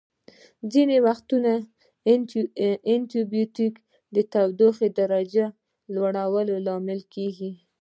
ځینې وختونه انټي بیوټیک د تودوخې درجې د لوړوالي لامل کیږي.